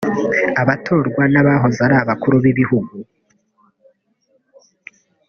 abatorwa n’ abahoze ari Abakuru b’ Ibihugu